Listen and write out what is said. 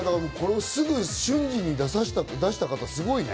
瞬時に出した方、すごいね。